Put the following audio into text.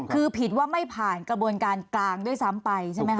คือผิดว่าไม่ผ่านกระบวนการกางด้วยซ้ำไป